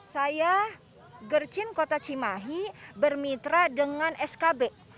saya gercin kota cimahi bermitra dengan skb